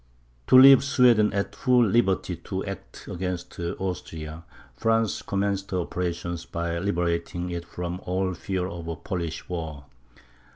To leave Sweden at full liberty to act against Austria, France commenced her operations by liberating it from all fear of a Polish war.